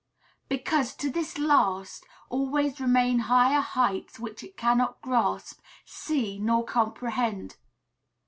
Because, to this last, always remain higher heights which it cannot grasp, see, nor comprehend.